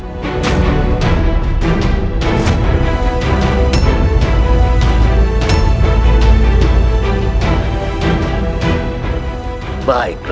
kau akan menghadapinya rasul